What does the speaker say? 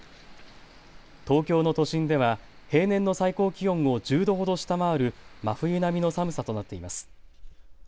東京の都心では平年の最高気温を１０度ほど下回る真冬並みの寒さとなっています。